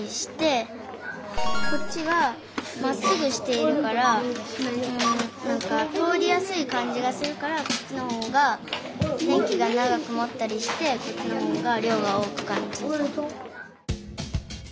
こっちはまっすぐしているからなんか通りやすい感じがするからこっちのほうが電気が長くもったりしてこっちのほうがりょうが大きく感じると。